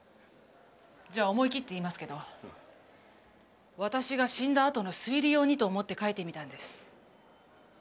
じゃあ思い切って言いますけど私が死んだあとの推理用にと思って書いてみたんです。